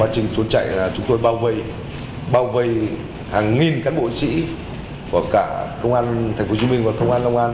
chúng tôi bao vây hàng nghìn cán bộ sĩ của cả công an thành phố hồ chí minh và công an long an